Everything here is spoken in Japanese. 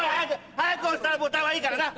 速く押したらボタンはいいからな！